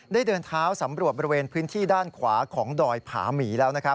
เดินเท้าสำรวจบริเวณพื้นที่ด้านขวาของดอยผาหมีแล้ว